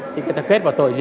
thì người ta kết vào tội gì